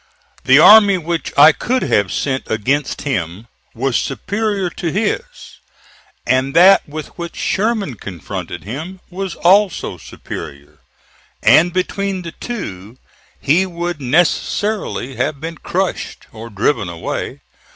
The army which I could have sent against him was superior to his, and that with which Sherman confronted him was also superior; and between the two he would necessarily have been crushed, or driven away.